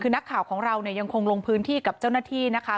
คือนักข่าวของเราเนี่ยยังคงลงพื้นที่กับเจ้าหน้าที่นะคะ